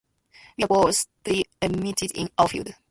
We are both pre-eminent in our field.